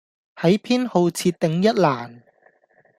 喺偏好設定一欄